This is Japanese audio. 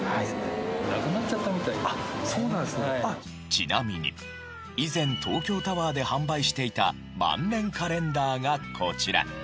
ちなみに以前東京タワーで販売していた万年カレンダーがこちら。